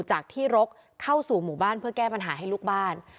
จากที่รกเข้าสู่หมู่บ้านเพื่อแก้ปัญหาให้ลูกบ้าน